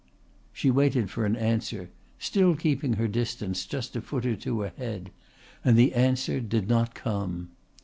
She waited for an answer, still keeping her distance just a foot or two ahead, and the answer did not come.